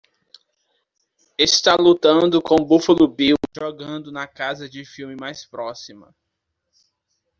Está lutando com Buffalo Bill jogando na casa de filme mais próxima